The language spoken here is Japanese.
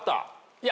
いや。